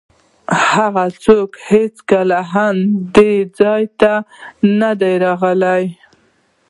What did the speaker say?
خو هغوی هېڅکله هم دې ځای ته نه دي راغلي.